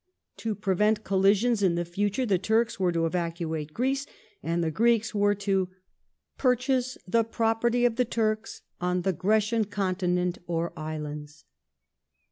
To prevent collisions in the future the Turks were to evacuate Greece, and the Greeks were to " pur chase the property of the Turks ... on the Grecian continent or islands